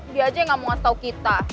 dia aja yang gak mau ngasih tau kita